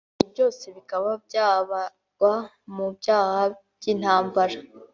ngo ibi byose bikaba byabarwa mu byaha by’intambara